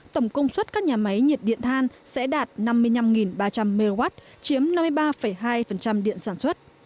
tổng công suất các nhà máy nhiệt điện than sẽ đạt năm mươi năm ba trăm linh mw chiếm năm mươi ba hai điện sản xuất